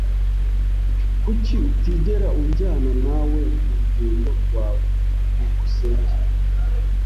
Kuki utigera unjyana nawe murugendo rwawe? byukusenge